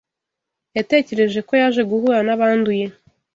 Yatekereje ko yaje guhura nabanduye